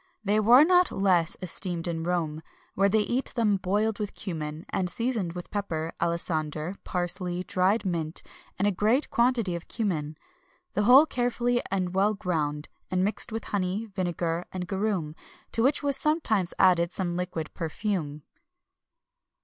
[XXI 266] They were not less esteemed in Rome, where they eat them boiled with cummin, and seasoned with pepper, alisander, parsley, dried mint, and a great quantity of cummin; the whole carefully and well ground, and mixed with honey, vinegar, and garum, to which was sometimes added some liquid perfume.